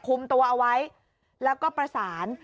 คุมตัวเอาไว้แล้วก็ประสาน